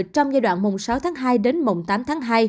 trong giai đoạn mùng sáu tháng hai đến mùng tám tháng hai